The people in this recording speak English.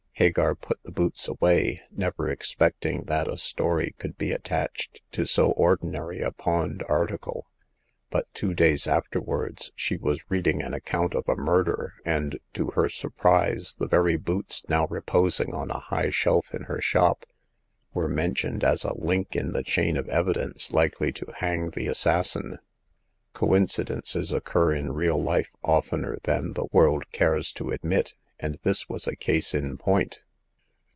Hagar put the boots away, never expecting that a story could be attached to so ordinary a pawned article. But two days afterwards she was reading an account of a murder, and, to her surprise, the very boots, now reposing on a high shelf in her shop, were mentioned as a link in the chain of evidence likely to hang the assassin. Coincidences occur in real life oftener than the world cares to admit ; and this was a case in point.